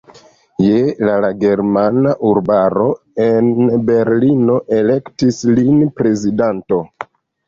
Je la la Germana Urbaro en Berlino elektis lin prezidanto.